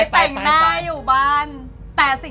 แต่งหน้าอยู่บ้าน